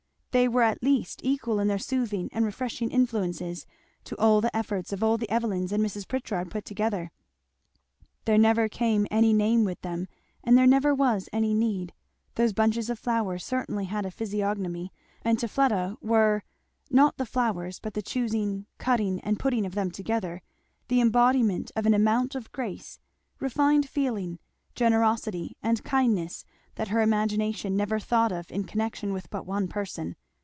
They were at least equal in their soothing and refreshing influences to all the efforts of all the Evelyns and Mrs. Pritchard put together. There never came any name with them, and there never was any need. Those bunches of flowers certainly had a physiognomy; and to Fleda were (not the flowers but the choosing, cutting, and putting of them together) the embodiment of an amount of grace, refined feeling, generosity, and kindness, that her imagination never thought of in connection with but one person.